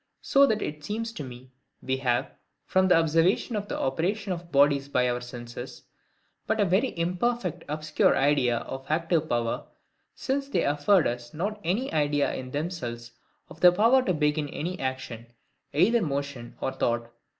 So that it seems to me, we have, from the observation of the operation of bodies by our senses, but a very imperfect obscure idea of ACTIVE power; since they afford us not any idea in themselves of the power to begin any action, either motion or thought.